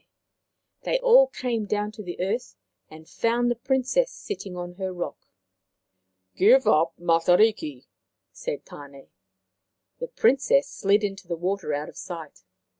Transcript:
They all came down to the earth, and found the Princess sitting on her rock. " Give up Matariki," said Tane. The Prin cess slid into the water out of sight.